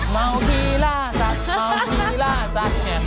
เมาคลีล่าสัตว์ม้าเมาคลีล่าสัตว์